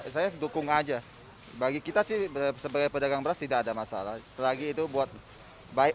saya dukung aja bagi kita sih sebagai pedagang beras tidak ada masalah lagi itu buat baik